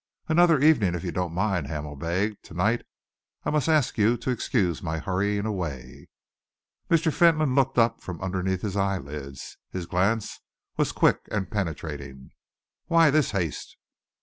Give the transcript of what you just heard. "Another evening, if you don't mind," Hamel begged. "To night I must ask you to excuse my hurrying away." Mr. Fentolin looked up from underneath his eyelids. His glance was quick and penetrating. "Why this haste?"